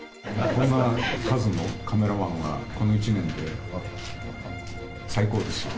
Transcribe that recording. こんな数のカメラマンは、この一年で最高ですよ。